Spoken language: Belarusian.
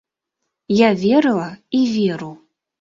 Я верыла, і веру.